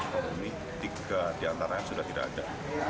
ketiga diantara yang sudah tidak ada